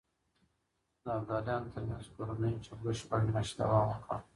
د ابداليانو ترمنځ کورنيو جګړو شپږ مياشتې دوام وکړ.